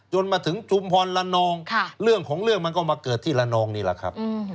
มาถึงชุมพรละนองเรื่องของเรื่องมันก็มาเกิดที่ละนองนี่แหละครับ